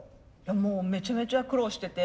もうめちゃめちゃ苦労してて。